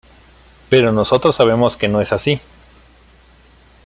Pero nosotros sabemos que no es así.